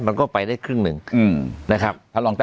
มันก็ไปได้ครึ่งหนึ่งนะครับ